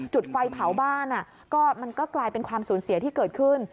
จุดไฟเผาบ้านมันก็กลายเป็นความสูญเสียที่เกิดขึ้น